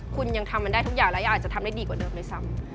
คุณยังทำมันได้ทุกอย่างแล้วอาจจะทำได้ดีกว่าเดิมด้วยซ้ำ